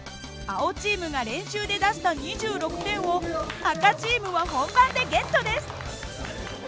青チームが練習で出した２６点を赤チームは本番でゲットです。